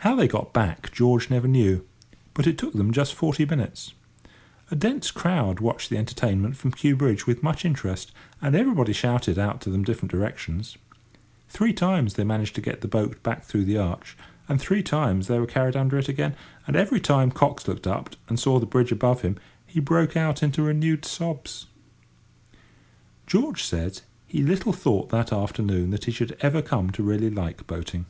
How they got back George never knew, but it took them just forty minutes. A dense crowd watched the entertainment from Kew Bridge with much interest, and everybody shouted out to them different directions. Three times they managed to get the boat back through the arch, and three times they were carried under it again, and every time "cox" looked up and saw the bridge above him he broke out into renewed sobs. George said he little thought that afternoon that he should ever come to really like boating.